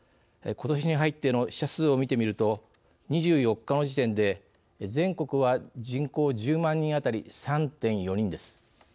ことしに入っての死者数を見てみると２４日の時点で全国は人口１０万人あたり３．４人です。